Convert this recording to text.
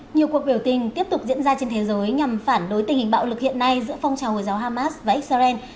nhiều cuộc biểu tình tiếp tục diễn ra trên thế giới nhằm phản đối tình hình bạo lực hiện nay giữa phong trào hồi giáo hamas và israel